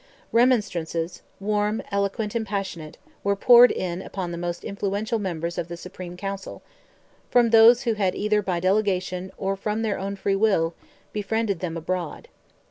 Remonstrances, warm, eloquent, and passionate, were poured in upon the most influential members of the Supreme Council, from those who had either by delegation, or from their own free will, befriended them abroad.